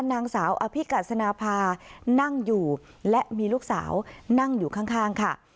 นางสาวอภิกัสนาภานั่งอยู่และมีลูกสาวนั่งอยู่ข้างค่ะ